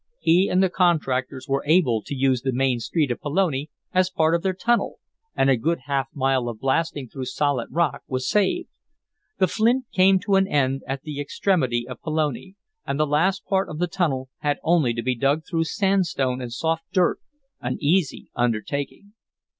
He and the contractors were able to use the main street of Pelone as part of their tunnel, and a good half mile of blasting through solid rock was saved. The flint came to an end at the extremity of Pelone, and the last part of the tunnel had only to be dug through sand stone and soft dirt, an easy undertaking.